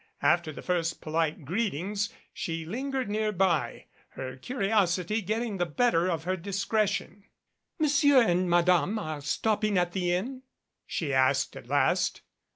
After the first polite greetings she lingered nearby, her curiosity getting the better of her discretion. "Monsieur and Madame are stopping at the Inn?" she asked at last.